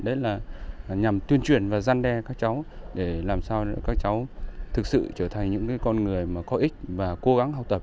đấy là nhằm tuyên truyền và gian đe các cháu để làm sao các cháu thực sự trở thành những con người có ích và cố gắng học tập